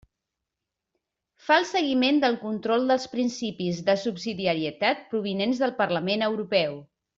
Fa el seguiment del control dels principis de subsidiarietat provinents del Parlament Europeu.